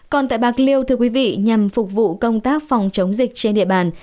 còn tại bạc liêu thưa quý vị nhằm phục vụ công tác phòng chống dịch trên địa bàn